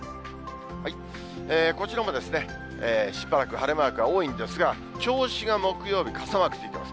こちらもしばらく晴れマークが多いんですが、銚子が木曜日傘マークついてます。